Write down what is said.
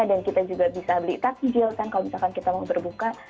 dan kita juga bisa beli takjil kan kalau misalkan kita mau berbuka